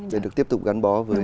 để được tiếp tục gắn bó với đất nước